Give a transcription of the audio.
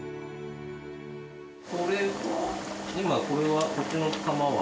これは今これはこっちの釜は？